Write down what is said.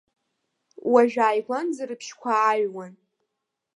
Уажә ааигәанӡа рыбжьқәа ааҩуан.